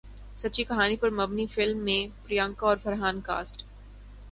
سچی کہانی پر مبنی فلم میں پریانکا اور فرحان کاسٹ